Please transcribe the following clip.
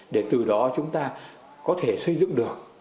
để từ đó chúng ta có thể xây dựng được